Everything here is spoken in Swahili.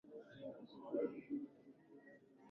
marafiki wao kwa urahisi Watu kama hao